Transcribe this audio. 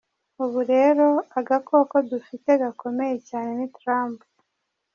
Ubu rero agakoko dufise gakomeye cyane ni Trump.